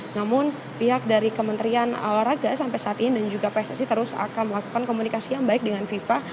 namun pihak dari kementerian olahraga sampai saat ini dan juga pssi terus akan melakukan komunikasi yang baik dengan fifa